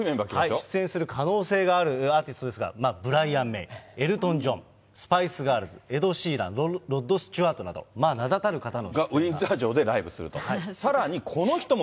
出演する可能性があるアーティストですが、ブライアン・メイ、エルトン・ジョン、スパイスガールズ、エド・シーラン、ロッドスチュアートなど、名だたる方が。